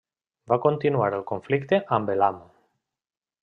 Va continuar el conflicte amb Elam.